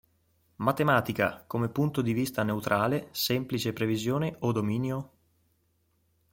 Matematica come punto di vista neutrale, semplice previsione, o dominio?